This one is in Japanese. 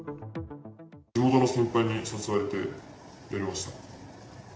地元の先輩に誘われてやりました。